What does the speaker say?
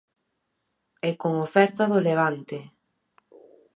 E con oferta do Levante.